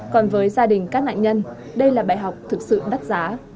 còn với gia đình các nạn nhân đây là bài học thực sự đắt giá